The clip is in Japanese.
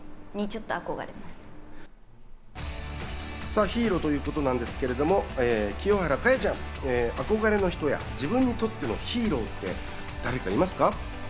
さぁヒーローということなんですけれども清原果耶ちゃん、憧れの人や自分にとってのヒーローって誰かいますか？